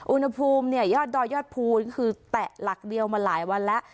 อุณหภูมิเนี่ยยอดดอยยอดภูก็คือแตะหลักเดียวมาหลายวันแล้ว